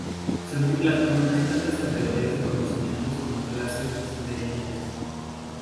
Según Platón hay tantas categorías de conocimientos como clases de entes.